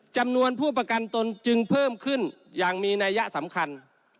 จำนวนผู้ประกันตนจึงเพิ่มขึ้นอย่างมีนัยยะสำคัญ